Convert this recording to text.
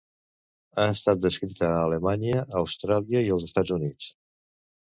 Ha estat descrita a Alemanya, Austràlia i els Estats Units.